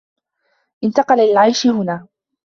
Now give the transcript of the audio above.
انتقل للعيش هنا.